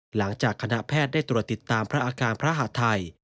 หลังจากคณะแพทย์ได้ตรวจติดตามพระอาการพระหาดไทย